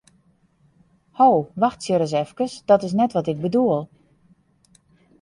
Ho, wachtsje ris efkes, dat is net wat ik bedoel!